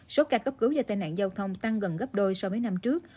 số ca cấp cứu do tai nạn giao thông tăng gần gấp đôi so với năm trước